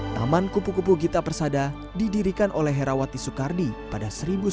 taman kupu kupu gita persada didirikan oleh herawati soekardi pada seribu sembilan ratus sembilan puluh